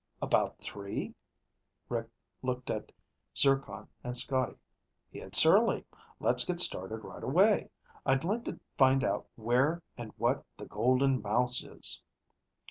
"About three?" Rick looked at Zircon and Scotty. "It's early. Let's get started right away. I'd like to find out where and what the Golden Mouse is."